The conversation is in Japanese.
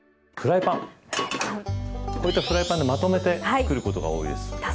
こういったフライパンでまとめて作ることが多いです。